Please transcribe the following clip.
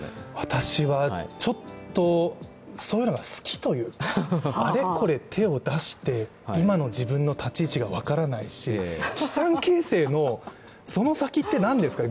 私は、ちょっとそういうのが好きというか、あれこれ手を出して、今の自分の立ち位置が分からないし資産形成のその先ってなんですかね？